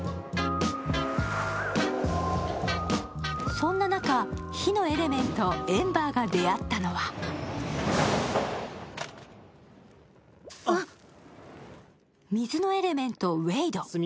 そんな中、火のエレメント、エンバーが出会ったのは水のエレメント、ウェイド。